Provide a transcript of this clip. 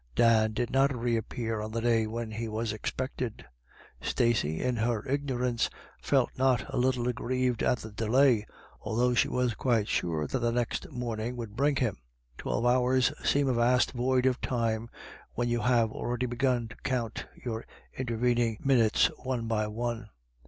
Dan did not reappear on the day when he was expected. Stacey, in her ignorance, felt not a little aggrieved at the delay, although she was quite sure that the next morning would bring him. Twelve hours seem a vast void of time, when you have already begun to count your intervening minutes one by one.